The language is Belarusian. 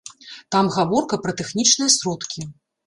Там гаворка пра тэхнічныя сродкі.